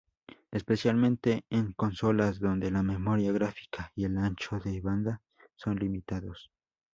Especialmente en consolas, donde la memoria gráfica y el ancho de banda son limitados.